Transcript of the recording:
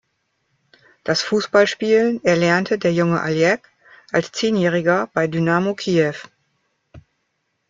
Das Fußballspielen erlernte der junge Oleg als Zehnjähriger bei Dynamo Kiew.